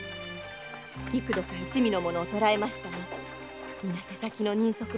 幾度か一味の者を捕えましたがみな手先の人足ばかり。